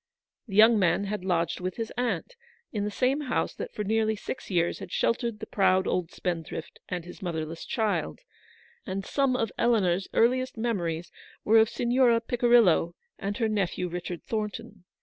The young man had lodged with his aunt in the same house that for nearly six years had sheltered the proud old spendthrift and his motherless child, and syme of Eleanor's earliest memories were of Signora Picirillo and her nephew Richard Thornton.